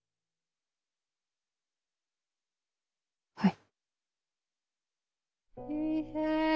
はい。